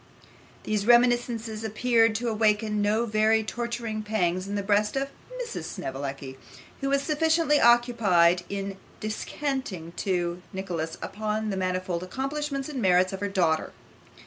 These reminiscences appeared to awaken no very torturing pangs in the breast of Mrs. Snevellicci, who was sufficiently occupied in descanting to Nicholas upon the manifold accomplishments and merits of her daughter.